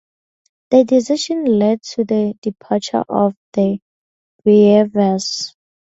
The decision led to the departure of the Beavers.